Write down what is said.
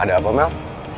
ada apa mel